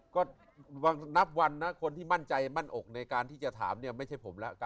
ก็นับวันนะคนที่มั่นใจมั่นอกในการที่จะถามเนี่ยไม่ใช่ผมแล้ว